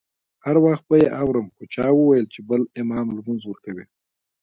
هر وخت به یې اورم خو چا وویل چې بل امام لمونځ ورکوي.